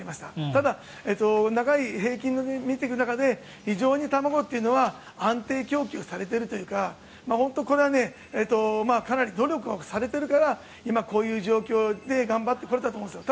ただ、長い平均で見ていく中で非常に卵というのは安定供給されているというかこれはかなり努力をされているから今こういう状況で頑張ってこれたと思うんです。